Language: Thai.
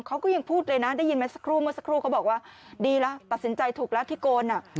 เขาก็ยังพูดเลยนะได้ยินไหมสักครู่ก็บอกว่าดีแล้วตัดสินใจถูกแล้วที่โกน